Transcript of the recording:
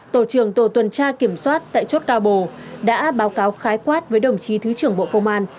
tổ trưởng tổ tuần tra kiểm soát tại chốt cao bồ đã báo cáo khái quát với đồng chí thứ trưởng bộ công an